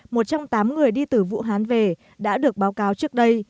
một trong tám người đi từ vũ hán về đã được báo cáo trước đây